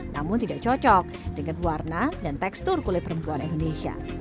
namun tidak cocok dengan warna dan tekstur kulit perempuan indonesia